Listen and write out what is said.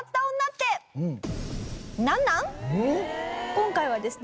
今回はですね。